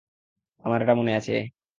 আমার এটা মনে আছে!